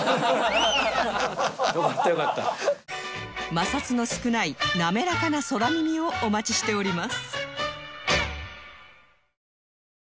摩擦の少ない滑らかな空耳をお待ちしております